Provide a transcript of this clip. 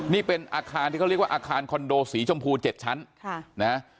นี่เป็นอาคารที่เขาเรียกว่าอาคารคอนโดสีชมพู๗ชั้น